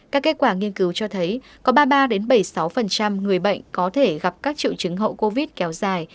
các kết quả nghiên cứu cho thấy có ba mươi ba bảy mươi sáu người bệnh có thể gặp các triệu chứng hậu covid kéo dài